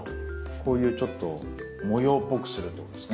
こういうちょっと模様っぽくするってことですね。